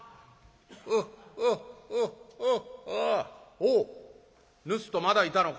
「おおぬすっとまだいたのか」。